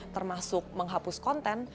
termasuk menghapus konten